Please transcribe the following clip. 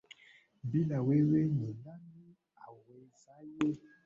Bila wewe ni nani awezaye